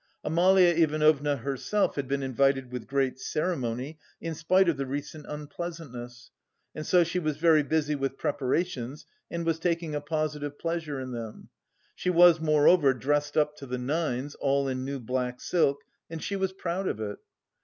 Amalia Ivanovna herself had been invited with great ceremony in spite of the recent unpleasantness, and so she was very busy with preparations and was taking a positive pleasure in them; she was moreover dressed up to the nines, all in new black silk, and she was proud of it.